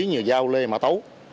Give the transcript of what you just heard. nhiều dao lê mà tấu